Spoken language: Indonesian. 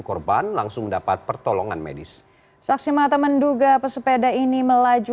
korban langsung mendapat pertolongan medis saksi mata menduga pesepeda ini melaju